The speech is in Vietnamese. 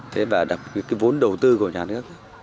thế và đặt cái vốn đầu tư của nhà nước